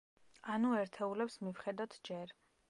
ანუ ერთეულებს მივხედოთ ჯერ.